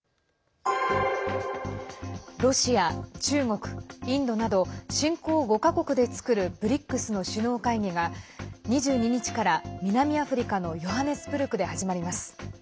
ロシア、中国、インドなど新興５か国で作るＢＲＩＣＳの首脳会議が２２日から南アフリカのヨハネスブルクで始まります。